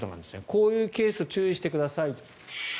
こういうケース注意してください。